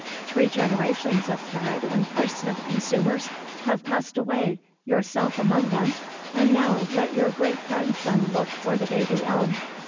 Three generations of carrot and parsnip consumers have passed away, yourself among them, and now let your great grandson look for the baby elm.